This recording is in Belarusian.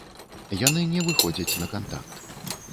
Яны не выходзяць на кантакт.